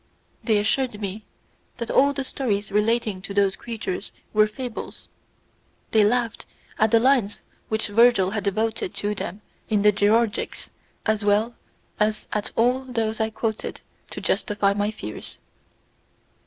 They assured me that all the stories relating to those creatures were fables; they laughed at the lines which Virgil has devoted to them in the Georgics as well as at all those I quoted to justify my fears.